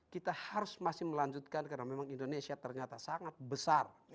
kita harus masih melanjutkan karena memang indonesia ternyata sangat besar